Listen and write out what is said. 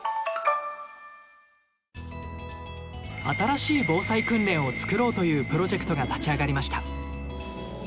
新しい防災訓練を作ろうというプロジェクトが立ち上がりました。